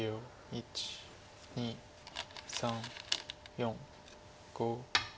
１２３４５。